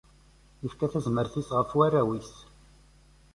Yefka tazmert-is ɣef warraw-is.